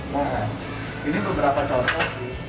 nah ini beberapa contoh lagi